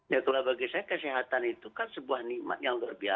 ya kalau bagi saya kesehatan itu kan sebuah nikmat yang luar biasa